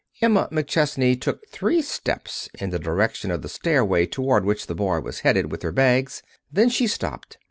Emma McChesney took three steps in the direction of the stairway toward which the boy was headed with her bags. Then she stopped.